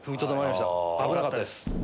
危なかったです。